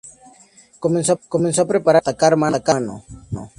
Comenzó a prepararse para atacar mano a mano.